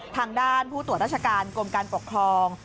ทางด้านผู้ตรวจราชการกรมการปกครอง